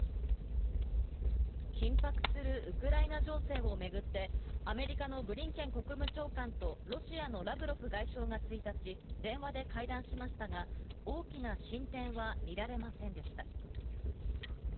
緊迫するウクライナ情勢をめぐって、アメリカのブリンケン国務長官とロシアのラブロフ外相が１日、電話で会談しましたが、大きな進展は見られませんでした。